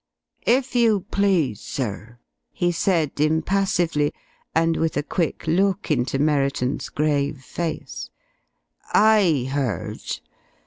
"If you please, sir," he said, impassively, and with a quick look into Merriton's grave face, "I heard.